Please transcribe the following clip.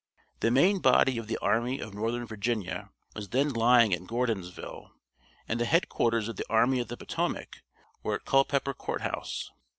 The main body of the Army of Northern Virginia was then lying at Gordonsville, and the headquarters of the Army of the Potomac were at Culpeper Courthouse.